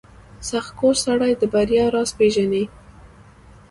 • سختکوش سړی د بریا راز پېژني.